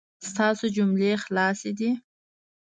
ستاسو جملې خلاصې دي